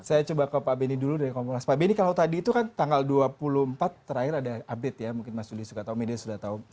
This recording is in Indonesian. saya coba ke pak beni dulu dari kompolnas pak benny kalau tadi itu kan tanggal dua puluh empat terakhir ada update ya mungkin mas budi suka tahu media sudah tahu